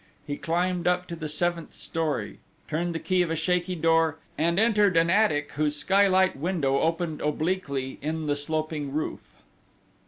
He climbed up to the seventh story; turned the key of a shaky door, and entered an attic whose skylight window opened obliquely in the sloping roof.